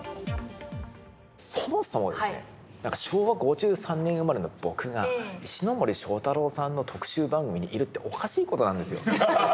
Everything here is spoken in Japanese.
そもそもですね昭和５３年生まれの僕が石森章太郎さんの特集番組にいるっておかしい事なんですよ。